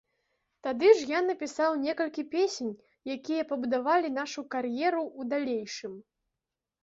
Тады ж я напісаў некалькі песень, якія пабудавалі нашу кар'еру ў далейшым.